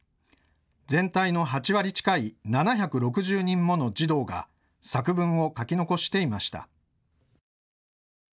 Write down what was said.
全体の８割近い７６０人もの児童が作文を書き残していました。